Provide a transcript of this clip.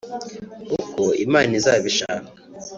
” Uko Imana izabishaka